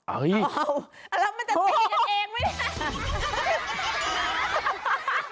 อ้าวแล้วมันจะตีกันเองมั้ย